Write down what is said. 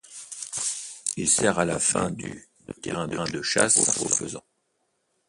Il sert à la fin du de terrain de chasse au faisan.